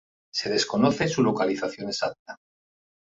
Se desconoce su localización exacta.